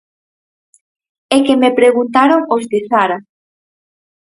É que me preguntaron os de Zara.